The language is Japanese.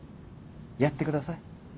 やってください。